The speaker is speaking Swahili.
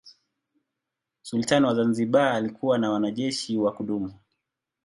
Sultani wa Zanzibar alikuwa na wanajeshi wa kudumu.